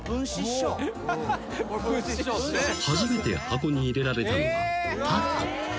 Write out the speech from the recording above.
［初めて箱に入れられたのはタコ］